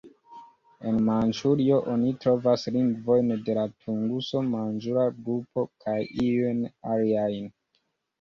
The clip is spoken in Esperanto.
En Manĉurio oni trovas lingvojn de la Tunguso-manĝura grupo kaj iujn aliajn.